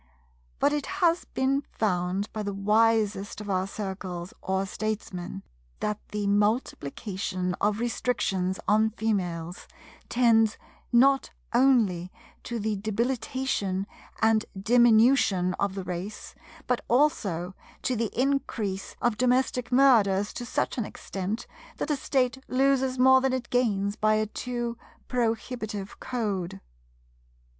But it has been found by the wisest of our Circles or Statesmen that the multiplication of restrictions on Females tends not only to the debilitation and diminution of the race, but also to the increase of domestic murders to such an extent that a State loses more than it gains by a too prohibitive Code.